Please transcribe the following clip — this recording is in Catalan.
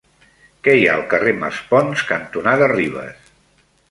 Què hi ha al carrer Maspons cantonada Ribes?